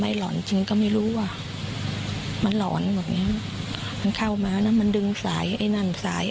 ไม่รู้สิแต่แกมีร่วงประจำตัวเยอะน่า